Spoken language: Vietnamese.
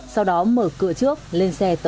sau đó mở cửa trước lên xe tẩu